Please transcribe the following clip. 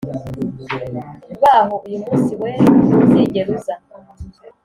baho uyumunsi w'ejo ntuzigera uza